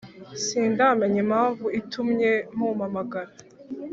sindamenya impamvu itumye mumpamagara”